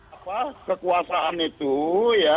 apa kekuasaan itu ya